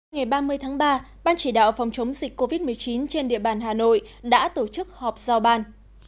ngày ba mươi tháng ba ban chỉ đạo phòng chống dịch covid một mươi chín trên địa bàn hà nội đã tổ chức họp giao ban